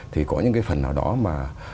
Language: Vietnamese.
thì có những cái phần nào đó mà